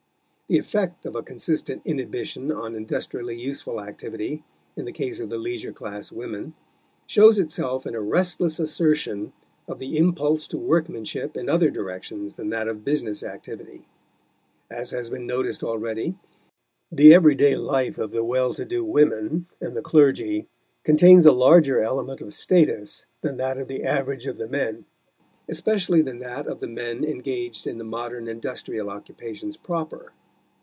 The effect of a consistent inhibition on industrially useful activity in the case of the leisure class women shows itself in a restless assertion of the impulse to workmanship in other directions than that of business activity. As has been noticed already, the everyday life of the well to do women and the clergy contains a larger element of status than that of the average of the men, especially than that of the men engaged in the modern industrial occupations proper.